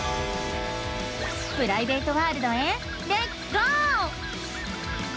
プライベートワールドへレッツゴー！